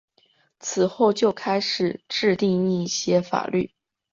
此后就开始制定一些法律。